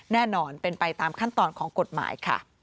แน่นอนโดยขึ้นตามขั้นตอนของกฎหมาย